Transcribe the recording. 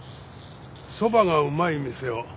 そばがうまい店を。